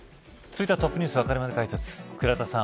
続いてはＴｏｐｎｅｗｓわかるまで解説倉田さん